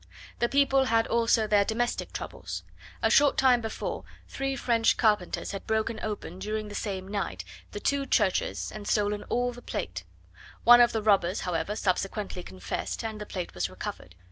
The people had also their domestic troubles; a short time before, three French carpenters had broken open, during the same night, the two churches, and stolen all the plate: one of the robbers, however, subsequently confessed, and the plate was recovered.